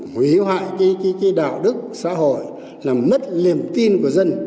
hủy hoại cái đạo đức xã hội làm mất liềm tin của dân